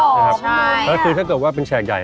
อ๋อใช่แล้วถ้าเกิดว่าเป็นแฉกใหญ่